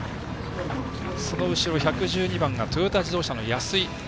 その後ろ１１２番がトヨタ自動車の安井。